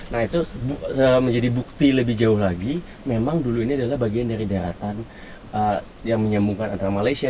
nah itu menjadi bukti lebih jauh lagi memang dulu ini adalah bagian dari daratan yang menyambungkan antara malaysia